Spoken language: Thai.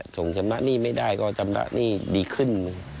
สงสรรค์นี้ไม่ได้ก็สงสรรค์นี้ดีขึ้น